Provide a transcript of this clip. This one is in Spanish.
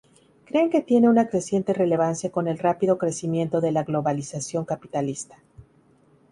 Creen que tiene una creciente relevancia con el rápido crecimiento de la globalización capitalista.